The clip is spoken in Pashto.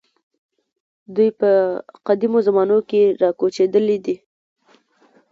دوی په قدیمو زمانو کې راکوچېدلي دي.